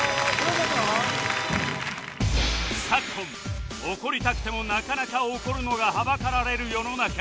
昨今怒りたくてもなかなか怒るのがはばかられる世の中